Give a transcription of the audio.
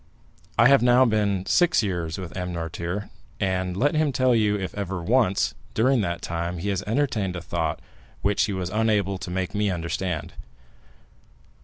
I have now been six years with M. Noirtier, and let him tell you if ever once, during that time, he has entertained a thought which he was unable to make me understand."